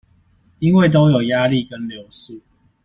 因為都有壓力跟流速